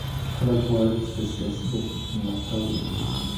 خلګ غواړي چي په سياسي بهير کي ملاتړ وکړي.